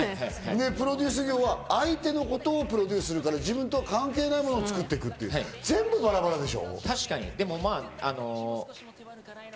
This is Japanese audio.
プロデュース業は相手のことをプロデュースするから、自分とは関係ないものを作っていく、全部バラバラでしょ？